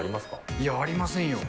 いや、ありませんよ。